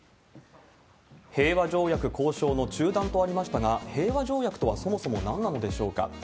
平和条約交渉の中断とありましたが、平和条約とはそもそもなんなのでしょうか。